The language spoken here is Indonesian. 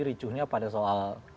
ricuhnya pada soal